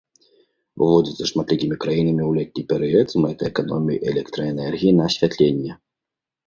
Уводзіцца шматлікімі краінамі ў летні перыяд з мэтай эканоміі электраэнергіі на асвятленне.